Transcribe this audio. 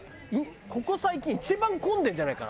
ここ最近一番混んでるんじゃないかなあそこ。